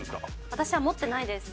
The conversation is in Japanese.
私は持ってないです。